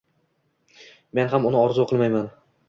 Men ham uni orzu qilmayman.